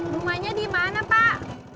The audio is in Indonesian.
rumahnya dimana pak